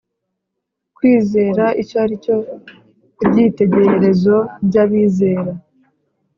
Kwizera icyo ari cyo ibyitegererezo by abizera